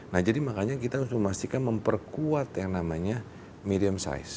nah jadi makanya kita harus memastikan memperkuat yang namanya medium size